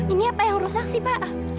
ini apa yang rusak sih pak